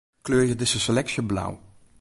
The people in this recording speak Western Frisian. Kleurje dizze seleksje blau.